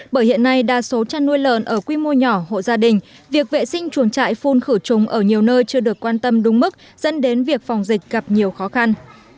bởi hiện nay đa số trăn nuôi lợn ở quy mô nhỏ hộ gia đình việc vệ sinh chuồng trại phun khử trùng ở nhiều nơi chưa được quan tâm đúng mức dẫn đến việc phòng dịch gặp nhiều khó khăn